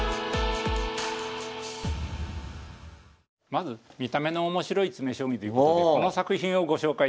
まず見た目のおもしろい詰将棋ということでこの作品をご紹介いたします。